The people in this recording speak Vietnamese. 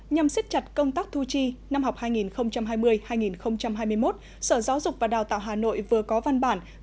nhằm xếp chặt công tác thu chi năm học hai nghìn hai mươi hai nghìn hai mươi một sở giáo dục và đào tạo hà nội vừa có văn bản